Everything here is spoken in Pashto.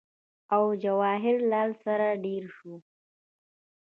او جواهر لال سره دېره شو